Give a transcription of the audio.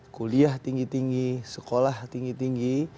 kuliah tinggi tinggi sekolah tinggi tinggi